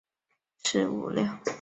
因此黎质的计谋失败。